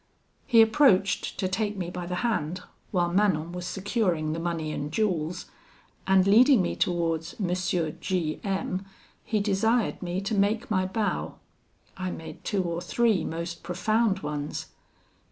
"He approached to take me by the hand, while Manon was securing the money and jewels, and leading me towards M. G M , he desired me to make my bow. I made two or three most profound ones.